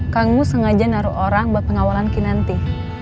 kang mus sengaja naruh orang buat pengawalan kinanti